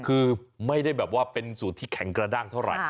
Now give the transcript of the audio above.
คือไม่ได้แบบว่าเป็นสูตรที่แข็งกระด้างเท่าไหร่